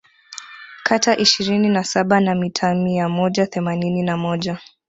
kata ishirini na saba na mitaa mia moja themanini na moja